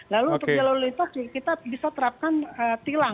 lalu untuk yang lalu lintas kita bisa terapkan tilang